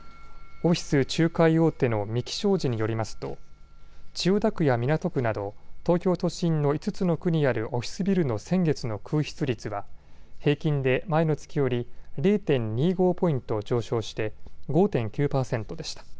オフィス仲介大手の三鬼商事によりますと千代田区や港区など東京都心の５つの区にあるオフィスビルの先月の空室率は平均で前の月より０．２５ポイント上昇して５．９％でした。